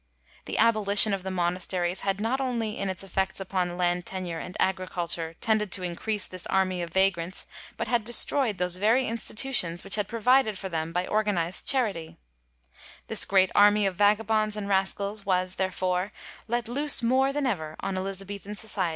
The abolition of the monasteries had not only, in its effects upon land tenure and agriculture, tended to increase this army of vagrants, but had destroyd those very institutions which had provided for them by organised charity: this great army of vagabonds and rascals was, therefore, let loose more than ever on Elizabethan society ; this was one of the gravest evils of the time.'